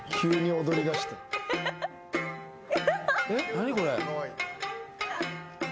何これ。